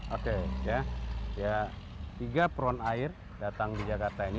oke ya tiga peron air datang di jakarta ini